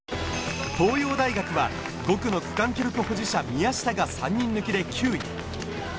東洋大学は５区の区間記録保持者・宮下が３人抜きで９位。